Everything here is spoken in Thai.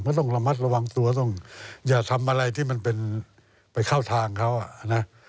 ต้องระมัดระวังตัวต้องอย่าทำอะไรที่มันเป็นไปเข้าทางเขาอ่ะนะ